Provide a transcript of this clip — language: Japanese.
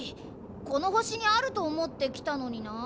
このほしにあるとおもってきたのにな。